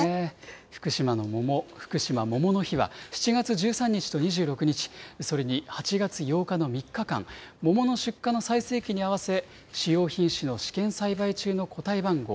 福島の桃、ふくしま桃の日は、７月１３日と２６日、それに８月８日の３日間、桃の出荷の最盛期に合わせ、主要品種の試験栽培中の個体番号、